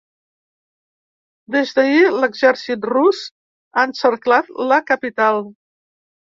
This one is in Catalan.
Des d’ahir, l’exèrcit rus ha encerclat la capital.